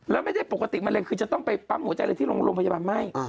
แล้วไม่ได้ปกติมะเร็งคือจะต้องไปปั๊มหัวใจอะไรที่โรงพยาบาลไหม้